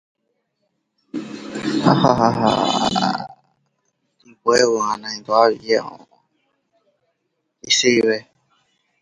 Churchill then met Alvin Lee of The Jaybirds.